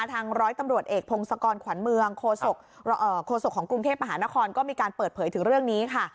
ร้อยตำรวจเอกพงศกรขวัญเมืองโคศกของกรุงเทพมหานครก็มีการเปิดเผยถึงเรื่องนี้ค่ะ